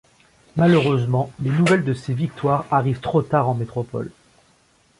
Malheureusement, les nouvelles de ces victoires arrivent trop tard en métropole.